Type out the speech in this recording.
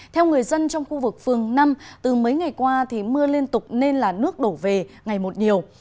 theo người dân trong khu vực phường năm từ mấy ngày qua thì mưa liên tục nên là nước đổ về ngày một nhiều